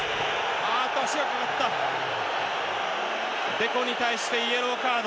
デコに対してイエローカード！